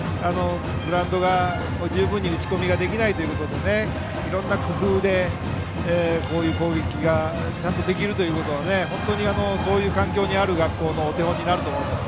グラウンドで十分に打ち込みができないということでいろんな工夫で、こういう攻撃がちゃんとできるということは本当にそういう環境にある学校のお手本になると思います。